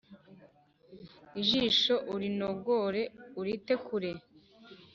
Ijisho urinogore urite kure